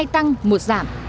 hai tăng một giảm